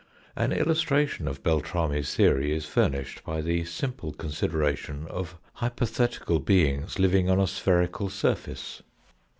An illustration of Beltrami's theory is furnished by the simple consideration of hypothetical beings living on a spherical surface.